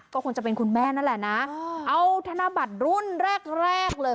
ก็คงจะเป็นคุณแม่นั่นแหละนะเอาธนบัตรรุ่นแรกแรกเลย